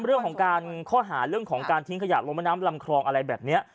เรื่องของการข้อหาเรื่องของการทิ้งขยะลงแม่น้ำลำคลองอะไรแบบนี้